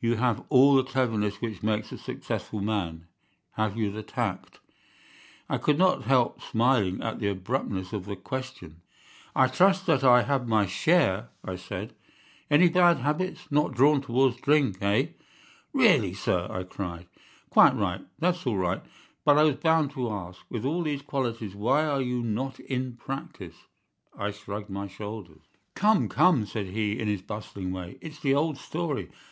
You have all the cleverness which makes a successful man. Have you the tact?' "I could not help smiling at the abruptness of the question. "'I trust that I have my share,' I said. "'Any bad habits? Not drawn towards drink, eh?' "'Really, sir!' I cried. "'Quite right! That's all right! But I was bound to ask. With all these qualities, why are you not in practice?' "I shrugged my shoulders. "'Come, come!' said he, in his bustling way. 'It's the old story.